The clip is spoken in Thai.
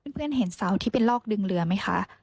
เพื่อนเห็นเสาที่เป็นลอกดึงเรือไหมคะ